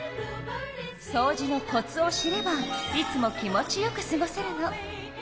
そうじのコツを知ればいつも気持ちよくすごせるの。